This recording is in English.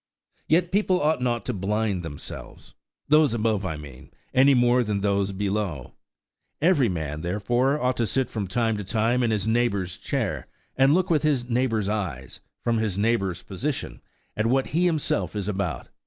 Yet people ought not to blind themselves–those above, I mean, any more than those below. Every man, therefore, ought to sit from time to time in his neighbour's chair, and look with his neighbour's eyes, from his neighbour's position, at what he himself is about.